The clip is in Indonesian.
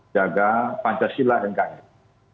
jaga pancasila yang kangen